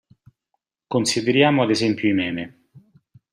Consideriamo ad esempio i meme.